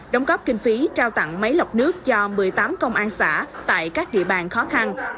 đóng góp kinh phí trao tặng máy lọc nước cho một mươi tám công an xã tại các địa bàn khó khăn